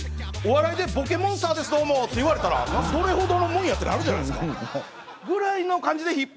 お笑いでボケモンスターです、どうもといわれたらどれほどのもんやってなるじゃないですか。ぐらいの感じでＨＩＰＨＯＰ